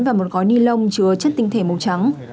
và một gói ni lông chứa chất tinh thể màu trắng